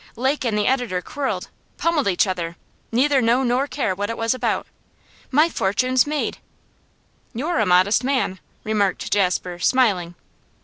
Lake and the editor quarrelled pummelled each other neither know nor care what it was about. My fortune's made!' 'You're a modest man,' remarked Jasper, smiling.